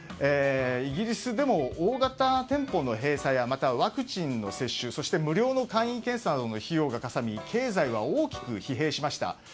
イギリスでも大型店舗の閉鎖やワクチン接種そして無料の簡易検査の費用がかさみ経済は大きく疲弊しました。